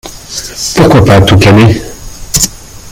Pourquoi pas toute l’année ?